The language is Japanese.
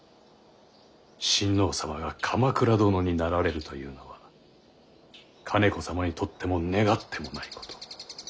親王様が鎌倉殿になられるというのは兼子様にとっても願ってもないこと。